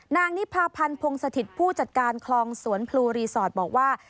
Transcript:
นิพาพันธ์พงศถิตผู้จัดการคลองสวนพลูรีสอร์ทบอกว่า